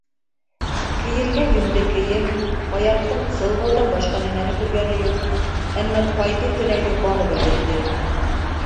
Кейергә йүнле кейем, аяҡтың сылғауҙан башҡа нәмәне күргәне юҡ, әммә ҡайтыу теләге барыбер еңде.